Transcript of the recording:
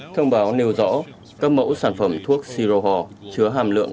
thông báo nêu rõ các mẫu sản phẩm thuốc sirohor chứa hàm lượng